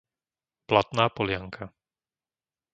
Blatná Polianka